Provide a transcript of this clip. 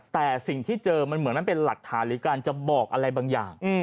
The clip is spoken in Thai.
แต่สิ่งที่เจอมันเหมือนมันเป็นหลักฐานหรือการจะบอกอะไรบางอย่าง